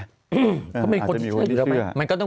ก็มีคนที่เชื่อมันก็ต้องมีอยู่แล้ว